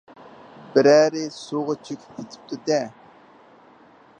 بىرەرى سۇغا چۆكۈپ كېتىپتۇ-دە؟